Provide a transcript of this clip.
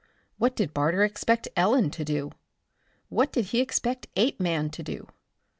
What did Barter expect Ellen to do? What did he expect Apeman to do?